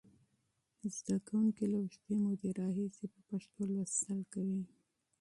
شاګرد له اوږدې مودې راهیسې په پښتو لوستل کوي.